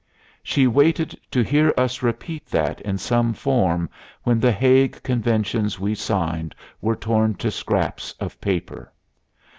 She waited to hear us repeat that in some form when The Hague conventions we signed were torn to scraps of paper.